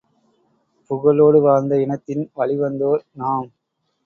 புகழோடு வாழ்ந்த இனத்தின் வழிவந்தோர் நாம்.